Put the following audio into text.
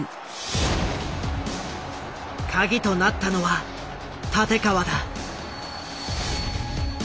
カギとなったのは立川だ。